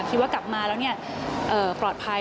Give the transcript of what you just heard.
คิดว่ากลับมาแล้วปลอดภัย